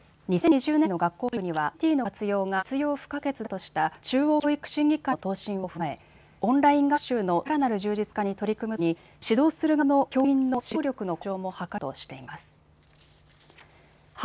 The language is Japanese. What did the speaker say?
２０２０年代の学校教育には、ＩＣＴの活用が必要不可欠だとした中央教育審議会の答申を踏まえ、オンライン学習のさらなる充実化に取り組むとともに指導する側の教員の指導力の向上も図るとしています。